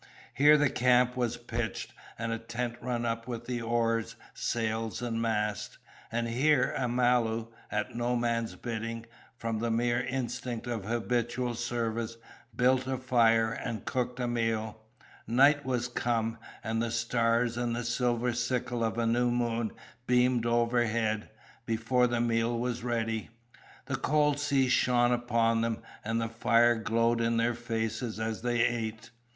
Here the camp was pitched and a tent run up with the oars, sails, and mast. And here Amalu, at no man's bidding, from the mere instinct of habitual service, built a fire and cooked a meal. Night was come, and the stars and the silver sickle of new moon beamed overhead, before the meal was ready. The cold sea shone about them, and the fire glowed in their faces, as they ate.